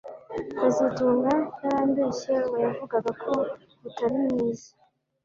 kazitunga yarambeshye ubwo yavugaga ko utari mwiza